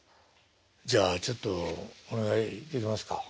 じゃあちょっとお願いできますか。